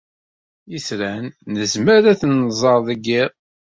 Itran nezmer ad ten-nẓer deg yiḍ.